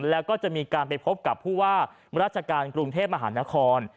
แล้วก็จะมีการไปพบกับผู้ว่าราชการกรุงเทพมหานคร